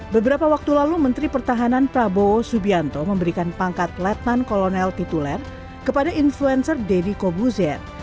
beberapa waktu lalu menteri pertahanan prabowo subianto memberikan pangkat letnan kolonel tituler kepada influencer deddy kobuzer